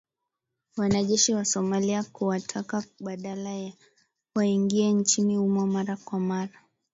wanajeshi wa Somalia na kuwataka badala yake waingie nchini humo mara kwa mara